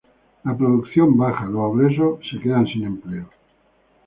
La producción baja, los obreros se quedan sin empleo.